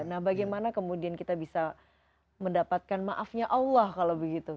nah bagaimana kemudian kita bisa mendapatkan maafnya allah kalau begitu